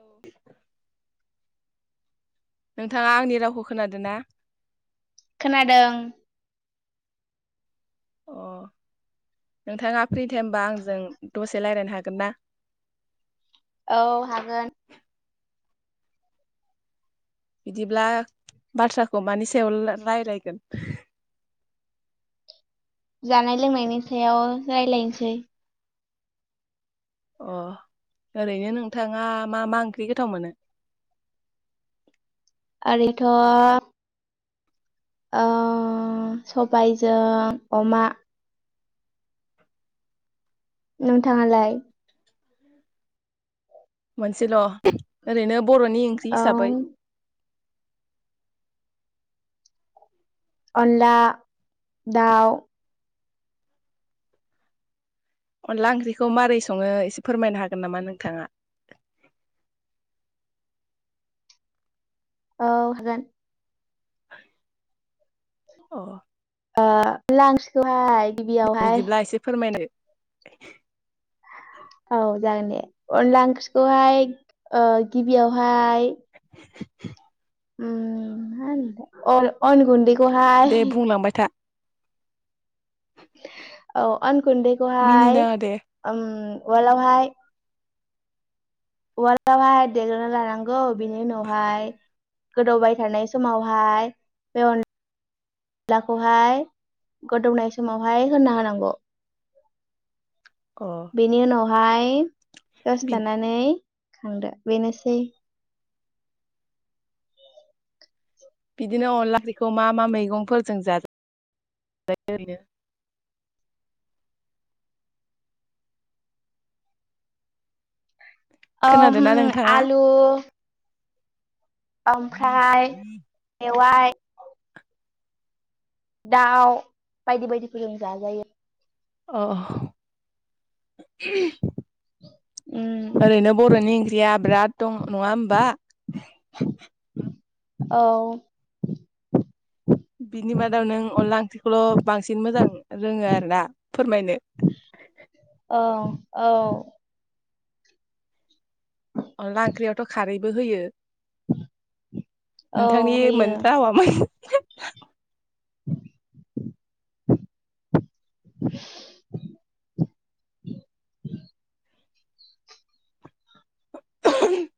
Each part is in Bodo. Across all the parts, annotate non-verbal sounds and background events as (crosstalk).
औ नोंथाङा आंनि रावखौ खोनादों ना? खोनादों। अ नोंथाङा फ्रि टाइमबा आंजों दसे रायलायनो हागोन ना? औ हागोन। बिदिब्ला बाथ्राखौ मानि सायाव ला रायलायगोन? (inaudible) जानाय लोंनायनि सायाव रायलायसै। अ ओरैनो नोंथाङा मा मा ओंख्रि गोथाव मोनो? आरैथ' ओ सबायजों अमा नोंथाङालाय? मोनसेल ओरैनो बर'नि ओंख्रि औ हिसाबै अनला दाउ अनला ओंख्रिखौ माबोरै सङो एसे फोरमायनो हागोन नामा नोंथाङा? औ हागोन (inaudible) अ ओ अनला ओंख्रिखौहाय गिबियावहाय बिदिब्ला एसे फोरमायदो (inaudible) औ जागोन दे अनला ओंख्रिखौहाय ओ गिबियावहाय (inaudible) उम मा होनोथाय ओ अन गुन्दै दे बुंलांबाय था औ अन गुन्दैखौहाय मिनिनाङा दे उम उवालावहाय उवालावहाय देग्रोना लानांगौ बिनि उनावहाय गोदौबाय थानाय समावहाय बे अन लाखौहाय गोदौनाय समावहाय होना होनांगौ अ बेनि उनावहाय दसे थानानै खांदो बेनोसै। बिदिनो अनला ओंख्रिखौ मा मा मैगंफोरजों जाजायो ओरैनो ओम खोनादोंना नोंथाङा आलु ओमफ्राय मेवाइ दाउ बायदि बायदिफोरजों जाजायो। अ उम ओरैनो बर'नि ओंख्रि या बिराद दं नङा होमबा। औ बिनि मादाव नों अनला ओंख्रिखौल बांसिन मोजां रोङो आरो ना फोरमायनो। (inaudible) औ औ अनला ओंख्रियावथ खारैबो होयो। औ नोंथांनि होयो मोन रावामोन (inaudible) (unintelligible) ओम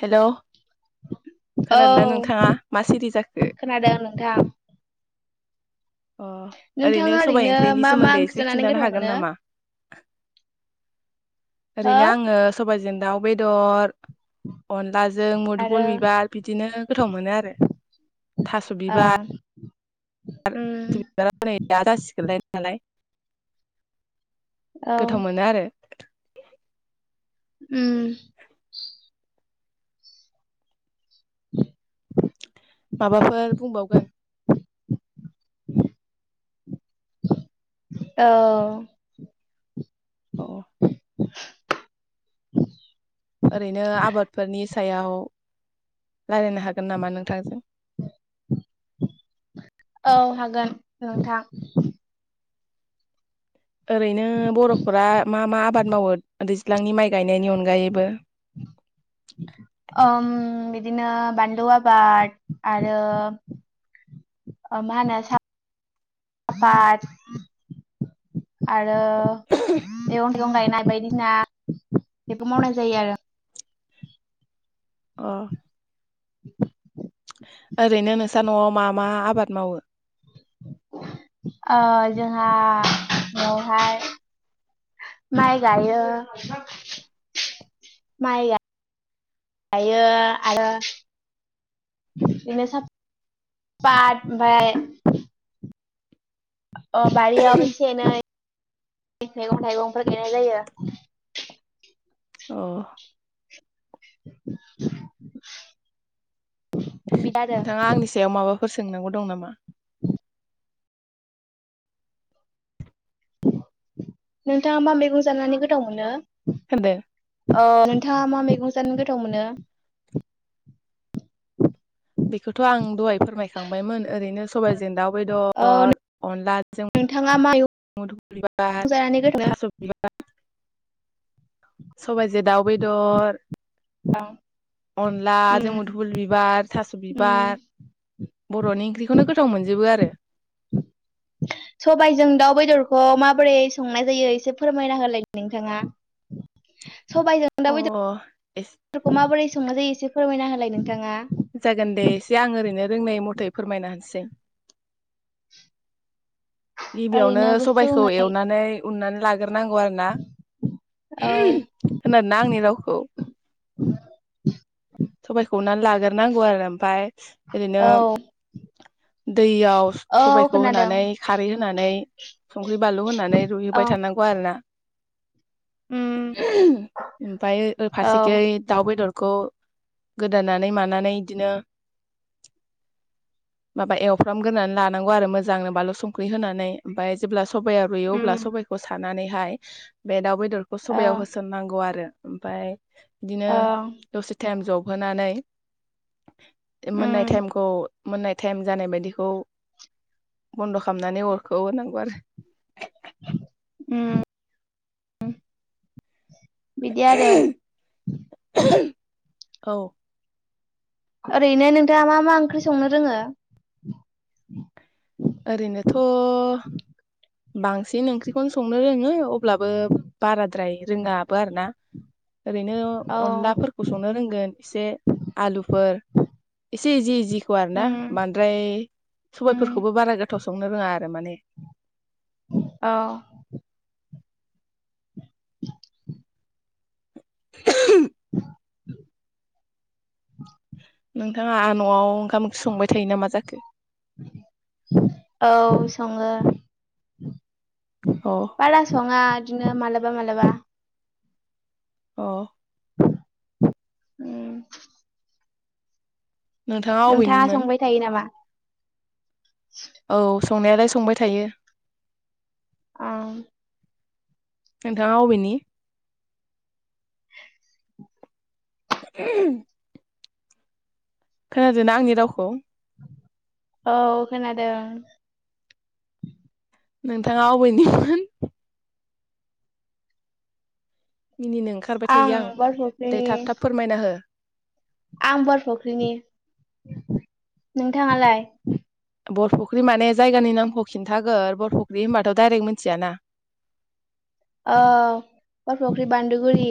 हेलौ औ खोनादों ना नोंथाङा मा सिरि जाखो? खोनादों नोंथां अ ओरैनो नोंथाङा सबाइ ओंख्रिनि मा मा सोमोन्दै ओंख्रि एसे जानानै खिन्थानो गोथाव हागोन मोनो नामा? (inaudible) हो ओरैनो आङो अनलाजों आरो मोधुबुल बिबार बिदिनो गोथाव मोनो आरो थास बिबार ओ उम (unintelligible) औ गोथाव मोनो आरो। ओम (unintelligible) माबाफोर बुंबावगोन? (unintelligible) औ औ। (unintelligible) ओरैनो आबादफोरनि सायाव। रायज्लायनो हागोन नामा नोंथांजों? औ हागोन नोंथां। ओरैनो बरफोरा मा मा आबाद मावो दै दैज्लांनि माइ गायनायनि अनगायैबो (inaudible) ओम बिदिनो बानलु आबाद आरो (unintelligible) आरो मैगं थाइगं गायनाय बायदिना बेबो मावनाय जायो आरो। अ (inaudible) ओरैनो नोंस्रा न आव मा मा आबाद मावो। ओ जोंहा नआवहाय माइ गायो माइ गायो आरो बिदिनो सा पारट ओमफफ्राय अ बारिआव एसे एनै मेगं थायगंफोर गायनाय जायो। औ। (inaudible) बिदि आरो नोंथाङा आंनि सायाव माबाफोर सोंनांगौ दं नामा? नोंथाङा मा मैगं जानानै गोथाव मोनो! होनदों ओम नोंथाङा मा मैगं जानो गोथाव मोनो। बेखौथ आं दहाय फोरमायखांबायमोन ओरैनो सबायजों दाउ औ बेदर अनलाजों नोंथाङा मा मैगं मदुफुल बिबार जानानै गोथाव थास बिबार! सबायाइजों दाउ बेदर मोनो अनला उम जोंमुधुबल बिबार थास' उम बिबार बर'नि ओंख्रिखौनो गोथाव मोनजोबो आरो। सबायाइजों दाउ बेदरखौ माबोरै संनाय जायो एसे फोरमायना होलाय नोंथाङा? (unintelligible) सबायजों अ दाव एसे (unintelligible) माबोरै संननाय जायो एसे फोरमायना होलाय नोंथांङा जागोन दे एसे आं ओरैनो रोंनाय मथे फोरमायनो होनसै। गिबियावनो ओरैनो सबाइखौ गुसुङै एवनानै उननानै लाग्रोनांगौ आरो ना औ आरोना खोनादोंना आंनि रावखौ (inaudible) सबाइखौनानै उनना लागोरनांगौ आरो ओमफाय औ। दैयाव औ सबायखौ खोनादों होनानै खारै होनानै संख्रि बानलु होननानै औ रुहैबाय थानांगौ आरोना। उम ओमफाय औ फारसेखै दाउ बेदरखौ गोदानानै मानानै इदिनो माबा एवफ्रामगोनानै लानांगौ आरो मोजांनो बानलु संख्रि होनानै, ओमफाय जेब्ला सबाया रुयो अब्ला उम सबाइखौ सानानैहाय बे दाउ बेदरखौ औ सबायाव होसननांगौ आरो। ओमफाय दिनो औ दसे टाइम जब होनानै मोननाय उम टेइमखौ मोननाय टाइम जानाय बायदिखौ बन्द' खालामनानै अरखौ हनांगौ आरो। उम उ। बिदि आरो। औ। ओरैनो नोंथाङा मा मा ओंख्रि संनो रोङो? ओरैनोथ' बांसिन ओंख्रिखौनो संनो रोङो अब्लाबो बाराद्राय रोङाबो आरो ना। (inaudible) ओरैनो औ अनलाफोरखौ संनो रोंगोन एसे आलुफोर (unintelligible) जि जिखौ आरो ना उम बांद्राय उम सबायफोरख बारा गोथाव संनो रोङा आरो माने। औ (unintelligible) (inaudible) नोंथाङा न'वाव ओंखाम ओंख्रि संबाय थायो नामा जाखो? औ सङो। अ बारा सङा दिनो मालाबा मालाबा। अ। उम नोंथाङा संबाय थायो नामा? औ संनायालाय संबाय थायो। अ। नोंथाङा अबेनि (unintelligible) खोनादोंना आंनि रावखौ? औ खोनादों। नोंथाङा अबेनिमोन? मिनिनो ओंखारबाय थायो आं दे थाब थाब फोरमायना हो। आं बरफुख्रिनि। नोंथाङालाय? बरफुख्रि माने जायगानि नामखौ खिन्थागोर बरपुख्रि होनबाथ' दाइरेक्ट मिथियाना। ओ बरफख्रि बान्दुगुरि।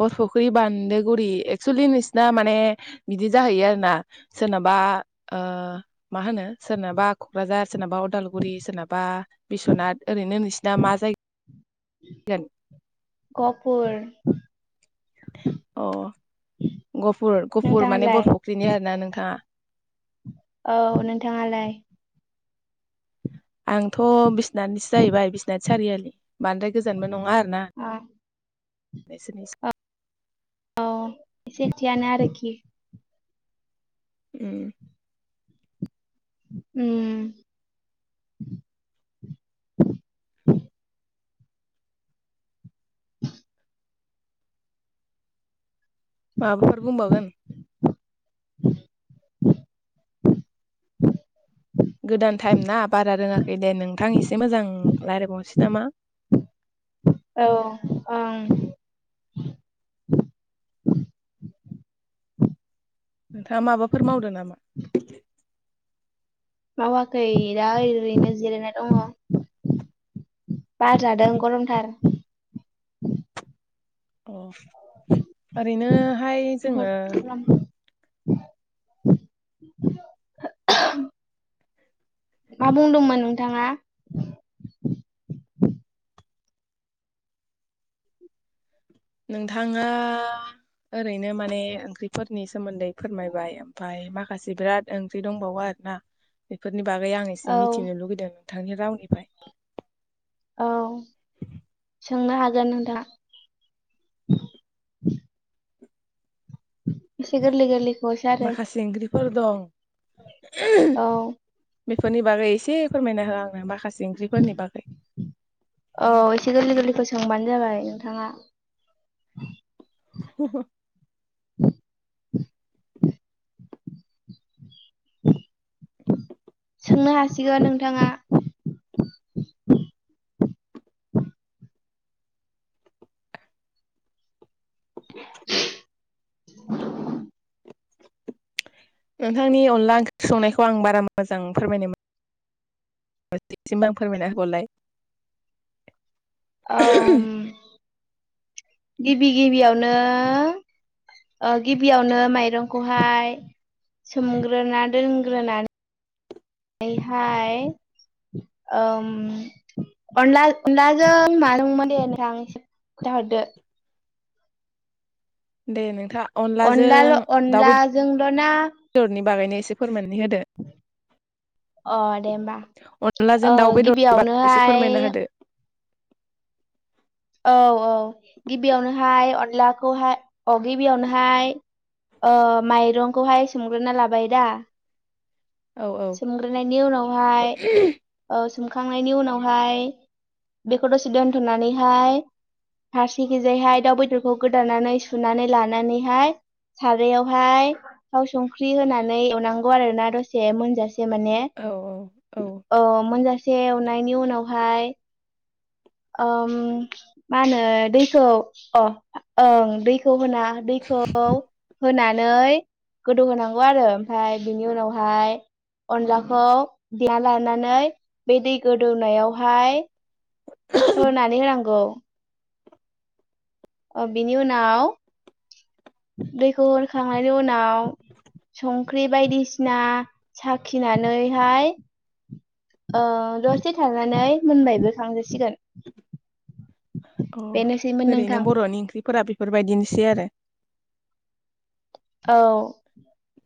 बरपख्रि बान्दोगुरि एक्सेलि नोंसिना माने बिदि जाहैयो आरो ना सोरनाब बा ओ मा होनो सोरनाबा क'क्राझार सोरनाबा अदालगुरि सोरनाबा बिस्वनाथ ओरैनो नोंसिना मा जाय (unintelligible) गहपुर। अ गहपुर गहपुर माने नोंथाङालाय? बरफख्रिनि आरोना नोंथाङा। औ नोंथाङालाय? आंथ' बिसनातनिसो जाहैबाय बिसनात सारियालि बांद्राय गोजानबो नङा आरोना। (unintelligible) (unintelligible) औ एसेथियानो आरोखि‌। उम। उम, (unintelligible) माबाफोर बुंबावगोन? गोदान टाइम ना बारा रोङाखै दे नोंथां एसे मोजां रायलायबावनोसै नामा। औ ओं। (unintelligible) नोंथाङा माबाफोर मावदो नामा? मावाखै दा ओरैनो जिरायना दङ। बार जादों गरमथार। अ ओरैनोहाय जोङो (unintelligible) मा बुंदोंमोन नोंथाङा? नोंथाङा ओरैनो माने ओंख्रिफोरनि सोमोन्दै फोरमायबाय ओमफ्राय माखासे बिराद ओंख्रि दंबावो आरो ना। बेफोरनि बागै आं एसे औ मिथिनो लुगैदों नोंथांनि रावनिफ्राय। औ। सोंनो हागोन नोंथां। एसे गोरलै गोरलैखौसो आरो माखासे ओंख्रिफोर दं औ बेफोरनि बागै एसे फोरमायना हो आंनो माखासे ओंख्रिफोरनि बागै औ एसे गोरलै गोरलैखौ सोंबानो जाबाय। नोंथाङा। (unintelligible) (unintelligible) (unintelligible) सोंनो हासिगोन नोंथाङा। (unintelligible) नोंथांनि अनला ओंख्रि संनायखौ आं बारा मोजां फोरमायनो सिमबो (unintelligible) आं फोरमायना होबावलाय। औ। गिबि गिबियावनो ओ गिबियावनो माइरंखौहाय सोमग्रोना दोनग्रोना नैहाय, ओम अनला अनलाजों नाजों माने (unintelligible) दे नोंथाङा अनलाजों अनलाल' दाउ अनलाजोंल' ना बेदरनि बागैनो एसे फोरमायना नै होदो। अ दे होमबा ओ अनलाजों दाउ बेदरबा (unintelligible) एसे गिबियावनोहाय फोरमायना होदो। औ औ गिबियावनोहाय अनलाखौहाय, औ गिबियावनोहाय ओ माइरंखौहाय सोमग्रोना लाबाय दा, औ सोमग्रोनायनि उनावहाय औ सोमखांनायनि उनावहाय बेखौ दसे दोनथ'नानैहाय फारसेखिजायहाय दाउ बेदरखौ गोदानानै सुनानै लानानैहाय सारयावहाय थाव संख्रि होनानै एवनांगौ आरोना दसे से माने औ औ मोनजासे एवनायनि उनावहाय ओ मा होनो दैखौ अ ओं दैखौ होना दैखौ होनानै गोदौ होनांगौ आरो ओमफ्राय बिनि उनाव हाय अनलाखौ बियाव (unintelligible) लानानै बे दै गोदौनायावहाय होनानै होनांगौ। अ बिनि उनाव दैखौ होखांनायनि उनाव संख्रि बायदिसिना साखिनानैहाय ओ दसे थानानै मोनबायबो खांजासिगोन। अ बेनोसैमोन ओरैनो नोंथां बर'नि ओंख्रिफोरा बेफोरबायदिनोसै आरो। औ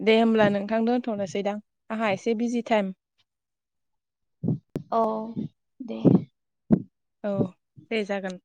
दे होमब्ला नोंथां दोन थ'नोसै दां आंहा एसे बिजि टाइम। औ दे। औ दे जागोन